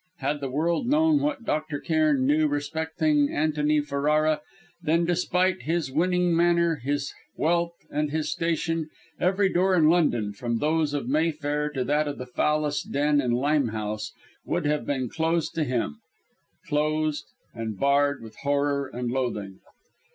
Had the world known what Dr. Cairn knew respecting Antony Ferrara, then, despite his winning manner, his wealth and his station, every door in London, from those of Mayfair to that of the foulest den in Limehouse, would have been closed to him closed, and barred with horror and loathing.